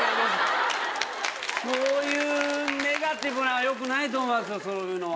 そういうネガティブはよくないと思う。